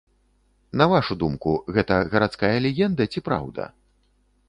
На вашу думку, гэта гарадская легенда ці праўда?